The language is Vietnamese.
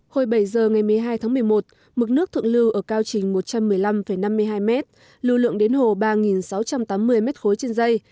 hồi bảy giờ ngày một mươi hai tháng một mươi một mực nước thượng lưu ở cao trình một trăm một mươi năm năm mươi hai m lưu lượng đến hồ ba sáu trăm tám mươi m ba trên dây